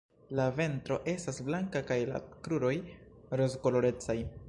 La ventro estas blanka kaj la kruroj rozkolorecaj.